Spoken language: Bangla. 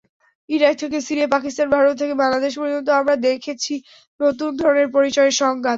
ইরাক থেকে সিরিয়া, পাকিস্তান-ভারত থেকে বাংলাদেশ পর্যন্ত আমরা দেখছি নতুন ধরনের পরিচয়ের সংঘাত।